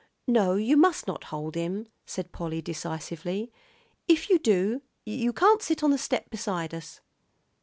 "No, you must not hold him," said Polly, decisively. "If you do, you can't sit on the step beside us."